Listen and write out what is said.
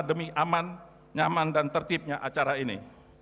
demi aman nyaman dan tertibnya acara ini